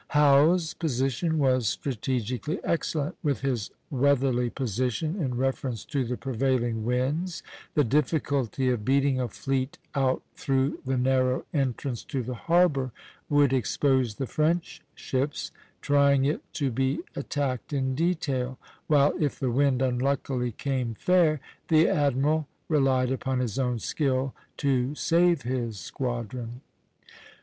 Howe's position was strategically excellent. With his weatherly position in reference to the prevailing winds, the difficulty of beating a fleet out through the narrow entrance to the harbor would expose the French ships trying it to be attacked in detail; while if the wind unluckily came fair, the admiral relied upon his own skill to save his squadron.